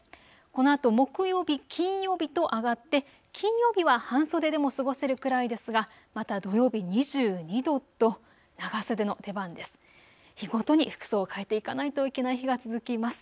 このあと木曜日、金曜日と上がって、金曜日は半袖でも過ごせるくらいですがまた土曜日２２度と長袖の出番です。